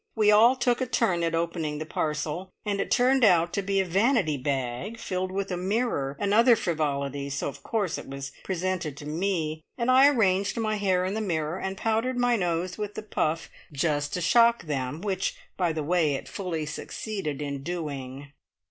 We all took a turn at opening the parcel, and it turned out to be a vanity bag, fitted with a mirror and other frivolities, so of course it was presented to me, and I arranged my hair in the mirror, and powdered my nose with the puff, just to shock them, which, by the way, it fully succeeded in doing.